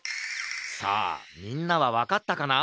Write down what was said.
さあみんなはわかったかな？